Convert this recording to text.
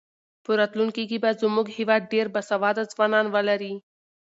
په راتلونکي کې به زموږ هېواد ډېر باسواده ځوانان ولري.